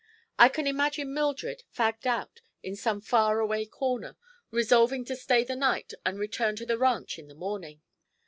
I can imagine Mildred, fagged out, in some far away corner, resolving to stay the night and return to the ranch in the morning."